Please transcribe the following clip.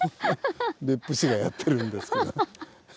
別府市がやってるんですけどね。